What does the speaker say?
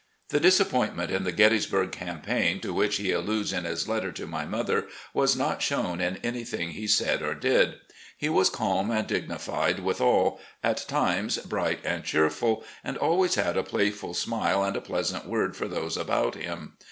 The disappointment in the Gettysburg campaign, to which he alludes in his letter to my mother, was not shown in anything he said or did. He was calm and dignified with all, at times bright and cheerful, and always had a plajdul smile and a pleasant word for those about him.